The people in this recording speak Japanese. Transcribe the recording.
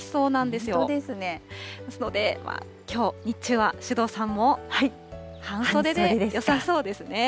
ですのできょう日中は首藤さんも半袖でよさそうですね。